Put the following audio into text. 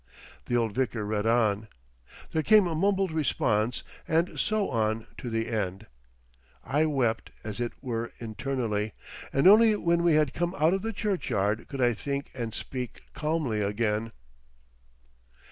The old vicar read on, there came a mumbled response—and so on to the end. I wept as it were internally, and only when we had come out of the churchyard could I think and speak calmly again.